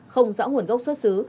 không rõ nguồn gốc xuất xứ